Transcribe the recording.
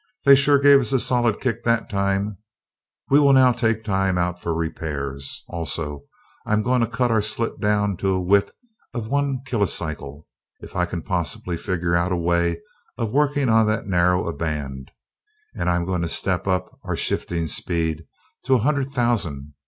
"They sure gave us a solid kick that time! We will now take time out for repairs. Also, I'm going to cut our slit down to a width of one kilocycle, if I can possibly figure out a way of working on that narrow a band, and I'm going to step up our shifting speed to a hundred thousand.